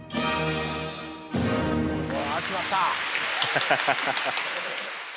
ハハハハ。